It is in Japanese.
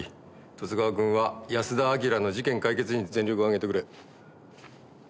十津川君は安田章の事件解決に全力を挙げてくれ。